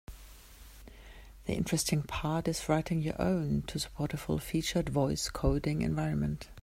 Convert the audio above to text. The interesting part is writing your own to support a full-featured voice coding environment.